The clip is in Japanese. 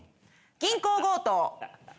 銀行強盗。